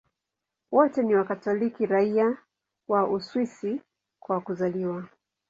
Wote ni Wakatoliki raia wa Uswisi kwa kuzaliwa.